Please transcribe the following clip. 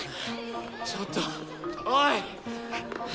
ちょっとおい！